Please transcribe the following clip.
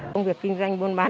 công việc kinh doanh buôn bán